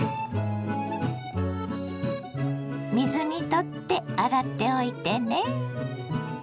水にとって洗っておいてね。